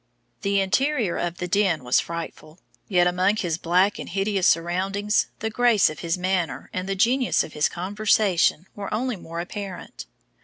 The interior of the den was frightful, yet among his black and hideous surroundings the grace of his manner and the genius of his conversation were only more apparent.